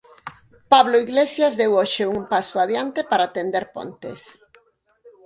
Pablo Iglesias deu hoxe un paso adiante para tender pontes.